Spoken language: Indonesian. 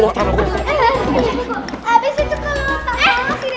abis itu kalau tak mau